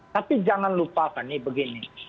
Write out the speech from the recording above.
tapi jangan lupa fani begini